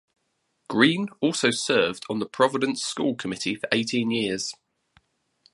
Greene also served on the Providence school committee for eighteen years.